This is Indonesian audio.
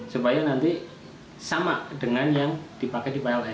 supaya nanti sama dengan yang dipakai di pln